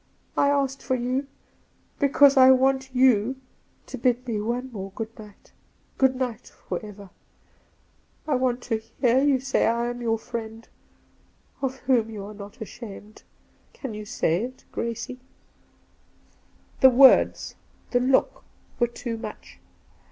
I asked for you because I want you to bid me one more good nigh fc — good night for ever. I want Two Christmas Days 231 to hear you say I am your friend, of whom you are not ashamed. Can you say it, Grracie V The words, the look, were too much.